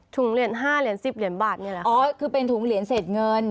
เหรียญห้าเหรียญสิบเหรียญบาทนี่แหละอ๋อคือเป็นถุงเหรียญเศษเงิน